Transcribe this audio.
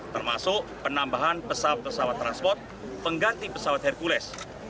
termasuk penambahan pesawat pesawat transport pengganti pesawat hercules